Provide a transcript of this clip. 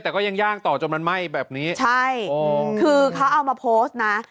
แต่ก็ยังย่างต่อจนมันไหม้แบบนี้ใช่คือเขาเอามาโพสต์นะ